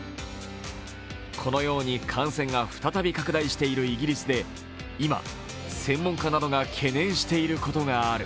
このように感染が再び拡大しているイギリスで今、専門家などが懸念していることがある。